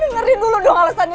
dengerin dulu dong alasannya